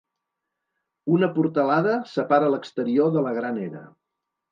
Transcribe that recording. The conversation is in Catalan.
Una portalada separa l'exterior de la gran era.